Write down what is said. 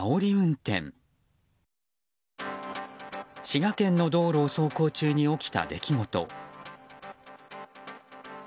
滋賀県の道路を走行中に起きた出来事。